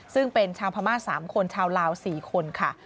ซึ่งเป็นชาวพม่า๓คนชาวลาว๔คนค่ะ